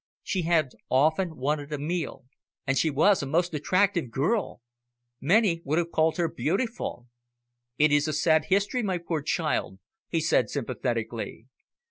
She had often wanted a meal, and she was a most attractive girl! Many would have called her beautiful. "It is a sad history, my poor child," he said sympathetically.